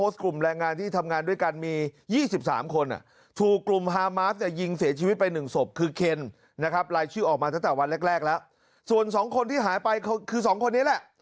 ส่วน๒คนที่หายไปคือ๒คนนี้แหละ